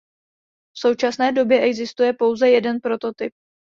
V současné době existuje pouze jeden prototyp.